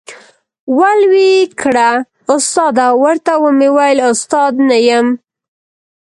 ول وې کړه ، استاده ، ورته ومي ویل استاد نه یم ،